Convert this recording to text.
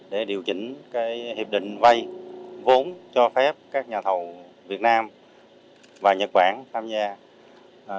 để điều chỉnh hiệp định vay vốn cho phép các nhà thầu việt nam và nhật bản tham gia